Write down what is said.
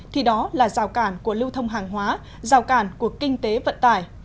thì đó là rào cản của lưu thông hàng hóa giao cản của kinh tế vận tải